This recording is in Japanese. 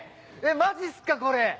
マジすかこれ。